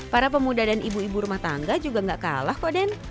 para pemuda dan ibu ibu rumah tangga juga gak kalah kok den